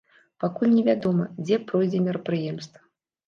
Пакуль невядома, дзе пройдзе мерапрыемства.